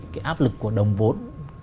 cái áp lực của đồng vốn